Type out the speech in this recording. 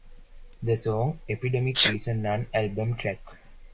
The song "Epidemic" is a non-album track.